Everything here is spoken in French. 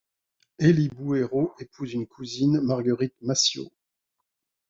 Élie Bouhéreau épouse une cousine, Marguerite Massiot.